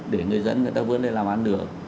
để người dân người ta vươn lên làm ăn được